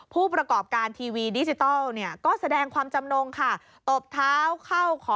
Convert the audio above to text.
ผู้ประกอบการทีวีดิจิทัลก็แสดงความจำนงค่ะ